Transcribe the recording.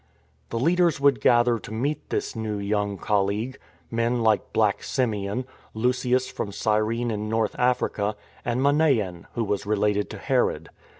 The leaders would gather to meet this new young colleague — men like Black Simeon, Lucius from Gy rene in North Africa, and Manaen (who was related to Herod).